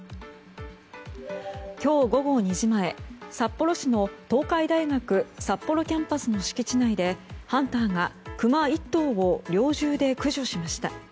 今日午後２時前札幌市の東海大学札幌キャンパスの敷地内でハンターがクマ１頭を猟銃で駆除しました。